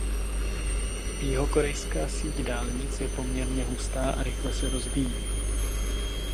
Jihokorejská síť dálnic je poměrně hustá a rychle se rozvíjí.